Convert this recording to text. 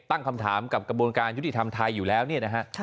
ตั้งคำถามกับกระบวนการยุติธรรมไทยอยู่แล้วเนี่ยนะฮะ